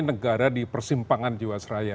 negara di persimpangan jiwasraya